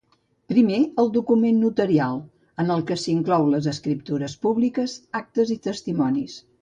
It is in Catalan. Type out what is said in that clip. Primer, el document notarial, en el que s'inclou les escriptures públiques, actes i testimonis.